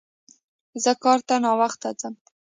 زه کار ته ناوخته ځم